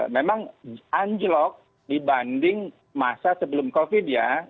memang anjlok dibanding masa sebelum covid ya